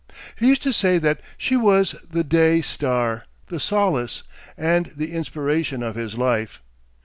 He used to say that she was "the day star, the solace, and the inspiration" of his life.